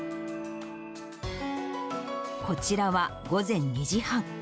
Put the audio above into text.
こちらは午前２時半。